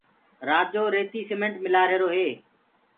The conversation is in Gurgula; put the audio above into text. رآجو ريتي سيمٽ ملوآهيرو هي